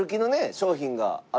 商品があると。